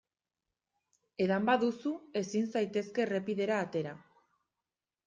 Edan baduzu ezin zaitezke errepidera atera.